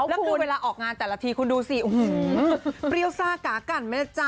แล้วคือเวลาออกงานแต่ละทีคุณดูสิเปรี้ยวซ่ากากันไหมล่ะจ๊